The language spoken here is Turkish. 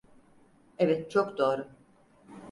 Evet, çok doğru.